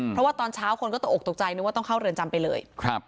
เพราะว่าตอนเช้าคนก็ตกออกตกใจนึกว่าต้องเข้าเรือนจำไปเลย